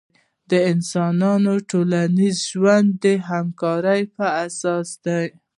د انسانانو ټولنیز ژوند د همکارۍ پراساس دی.